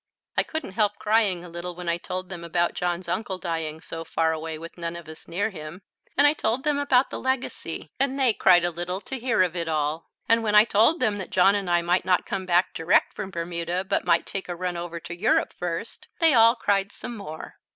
I couldn't help crying a little when I told them about John's uncle dying so far away with none of us near him, and I told them about the legacy, and they cried a little to hear of it all; and when I told them that John and I might not come back direct from Bermuda, but might take a run over to Europe first, they all cried some more.